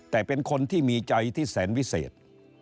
แต่เป็นคนที่มีใจที่แสนวิเศษ